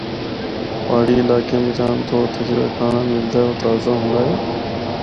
پہاڑی علاقیاں بچ عام طور تے جڑا کھانڑا ملدا اے او تازہ ہوندا ہے۔